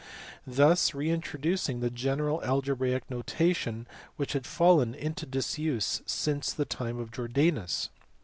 thus re intro ducing the general algebraic notation which had fallen into disuse since the time of Jordanus.